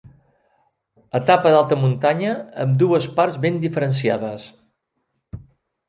Etapa d'alta muntanya, amb dues parts ben diferenciades.